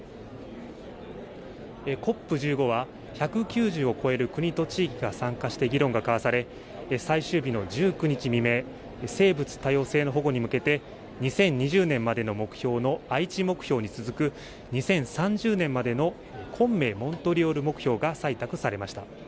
ＣＯＰ１５は、１９０を超える国と地域が参加して議論が交わされ、最終日の１９日未明、生物多様性の保護に向けて、２０２０年までの目標の愛知目標に続く、２０３０年までの昆明モントリオール目標が採択されました。